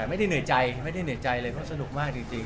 ไม่ได้เหนื่อยใจเลยเพราะสนุกมากจริง